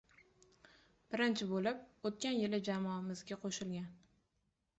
Birinchi bo‘lib o‘tgan yili jamoamizga qo‘shilgan